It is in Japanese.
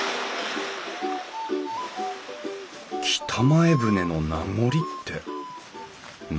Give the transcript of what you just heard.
北前船の名残って何だろう？